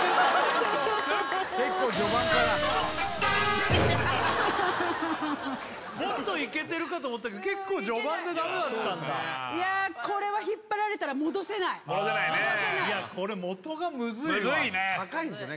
結構序盤からもっといけてるかと思ったけど結構序盤でダメだったんだいやこれは引っ張られたら戻せない戻せないねいやこれ元がムズいわムズいね高いんですよね